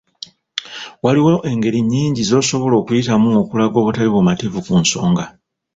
Waliwo engeri nnyingi z'osobola okuyitamu okulaga obutali bumativu ku nsonga.